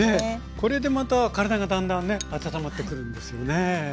これでまた体がだんだんね温まってくるんですよね。